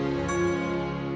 aduh kebentur lagi